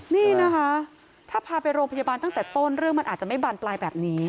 นี่นะคะถ้าพาไปโรงพยาบาลตั้งแต่ต้นเรื่องมันอาจจะไม่บานปลายแบบนี้